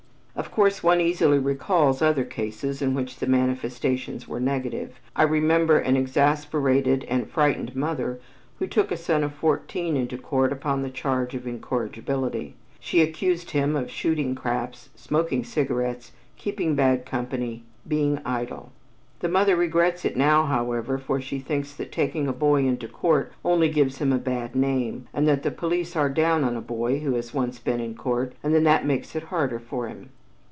Of course one easily recalls other cases in which the manifestations were negative. I remember an exasperated and frightened mother who took a boy of fourteen into court upon the charge of incorrigibility. She accused him of "shooting craps," "smoking cigarettes," "keeping bad company," "being idle." The mother regrets it now, however, for she thinks that taking a boy into court only gives him a bad name, and that "the police are down on a boy who has once been in court, and that that makes it harder for him."